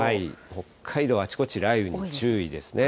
北海道はあちこち、雷雨に注意ですね。